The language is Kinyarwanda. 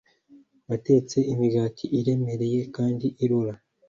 watetse imigati iremereye kandi irura.